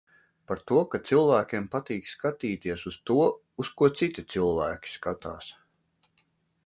Par to, ka cilvēkiem patīk skatīties uz to, uz ko citi cilvēki skatās.